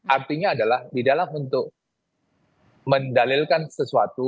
artinya adalah di dalam untuk mendalilkan sesuatu